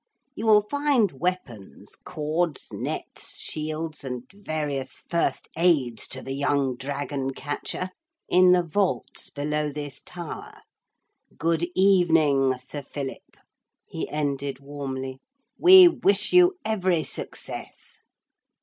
You will find weapons, cords, nets, shields and various first aids to the young dragon catcher in the vaults below this tower. Good evening, Sir Philip,' he ended warmly. 'We wish you every success.'